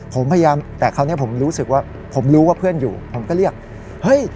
ผมพยายามแต่คราวนี้ผมรู้สึกว่าผมรู้ว่าเพื่อนอยู่ผมก็เรียกเฮ้ย